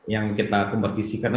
yang kita kompetisikan